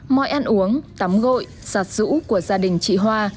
mọi ăn uống tắm gội giọt rũ của gia đình chị hoa